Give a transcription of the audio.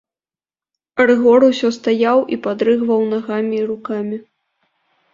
Рыгор усё стаяў і падрыгваў нагамі і рукамі.